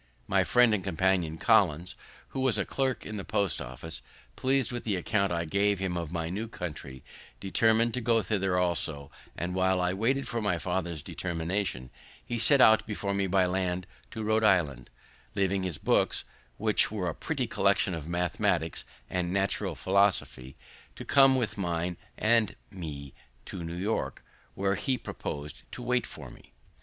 My friend and companion Collins, who was a clerk in the post office, pleas'd with the account I gave him of my new country, determined to go thither also; and, while I waited for my father's determination, he set out before me by land to Rhode Island, leaving his books, which were a pretty collection of mathematicks and natural philosophy, to come with mine and me to New York, where he propos'd to wait for me.